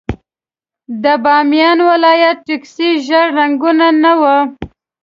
د بامیان ولايت ټکسي ژېړ رنګونه نه وو.